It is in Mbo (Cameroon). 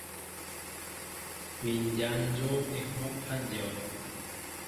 Mi n jan jǒm ehɔʼ a dyɔn.